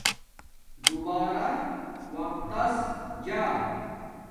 دربارہ وقت تس جا